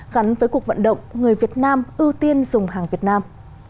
gắn với cuộc vận động người việt nam ưu tiên dùng hàng việt nam